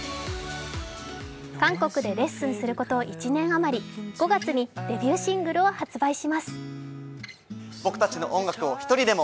韓国でレッスンすること１年余り５月にデビューシングルを発売します。